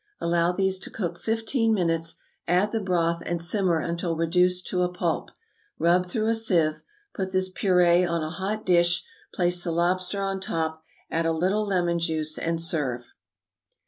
Allow these to cook fifteen minutes, add the broth, and simmer until reduced to a pulp; rub through a sieve; put this puree on a hot dish, place the lobster on top, add a little lemon juice, and serve.